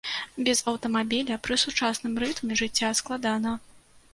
Без аўтамабіля пры сучасным рытме жыцця складана.